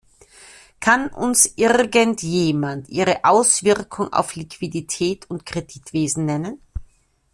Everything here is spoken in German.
Kann uns irgendjemand ihre Auswirkung auf Liquidität und Kreditwesen nennen?